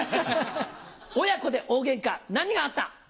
親子で大ゲンカ何があった？